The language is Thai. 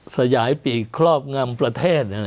สยายปีกครอบงำประเทศ